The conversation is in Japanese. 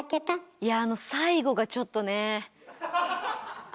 いやあの最後がちょっとねえ。